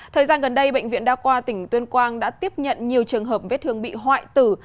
thời gian gần đây bệnh viện đa khoa tỉnh tuyên quang đã tiếp nhận nhiều trường hợp vết thương bị hoại tử